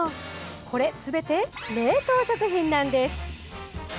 これ、すべて冷凍食品なんです。